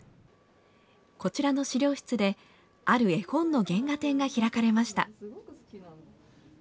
こちらの資料室で、ある絵本の原画展が開かれました。